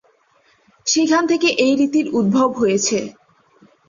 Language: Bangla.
সেখান থেকে এই রীতির উদ্ভব হয়েছে।